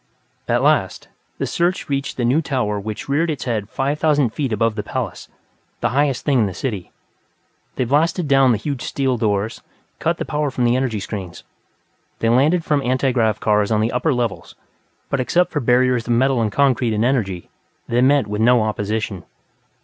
At last, the search reached the New Tower which reared its head five thousand feet above the palace, the highest thing in the city. They blasted down the huge steel doors, cut the power from the energy screens. They landed from antigrav cars on the upper levels. But except for barriers of metal and concrete and energy, they met with no opposition.